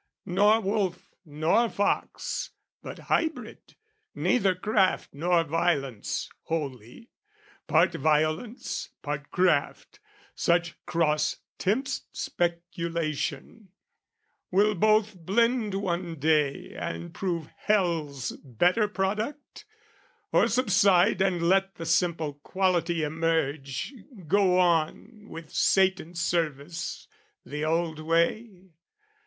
nor wolf nor fox, But hybrid, neither craft nor violence Wholly, part violence part craft: such cross Tempts speculation will both blend one day, And prove hell's better product? Or subside And let the simple quality emerge, Go on with Satan's service the old way?